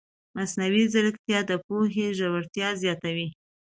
مصنوعي ځیرکتیا د پوهې ژورتیا زیاتوي.